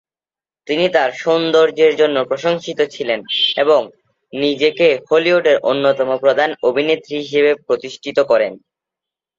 তিনি তার সৌন্দর্যের জন্য প্রশংসিত ছিলেন এবং নিজেকে হলিউডের অন্যতম প্রধান অভিনেত্রী হিসেবে প্রতিষ্ঠিত করেন।